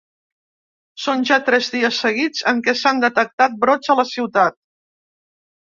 Són ja tres dies seguits en què s’han detectat brots a la ciutat.